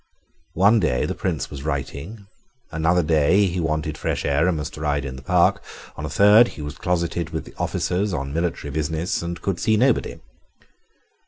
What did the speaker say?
One day the Prince was writing, another day he wanted fresh air and must ride in the Park; on a third he was closeted with officers on military business and could see nobody.